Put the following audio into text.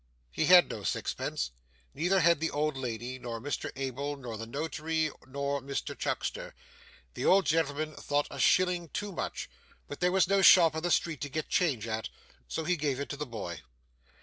He had no sixpence, neither had the old lady, nor Mr Abel, nor the Notary, nor Mr Chuckster. The old gentleman thought a shilling too much, but there was no shop in the street to get change at, so he gave it to the boy.